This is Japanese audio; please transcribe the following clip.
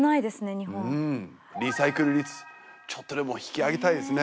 日本うんリサイクル率ちょっとでも引き上げたいですね